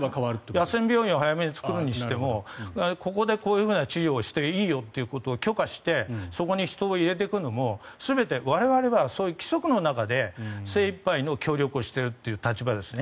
野戦病院を早めに作るにしてもここでこういう治療をしていいよということを許可してそこに人を入れていくのも全て我々はそういう規則の中で精いっぱいの協力をしているという立場ですね。